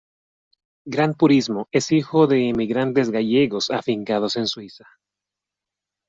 Gran Purismo es hijo de emigrantes gallegos afincados en Suiza.